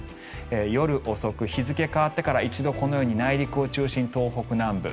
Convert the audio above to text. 夜遅く、日付が変わってから一度、このように内陸を中心に東北南部。